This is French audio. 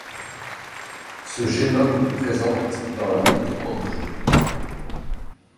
Ce génome présente dans la mitochondrie.